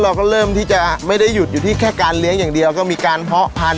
เราก็เริ่มที่จะไม่ได้หยุดอยู่ที่แค่การเลี้ยงอย่างเดียวก็มีการเพาะพันธ